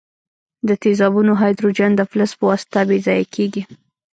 د تیزابونو هایدروجن د فلز په واسطه بې ځایه کیږي.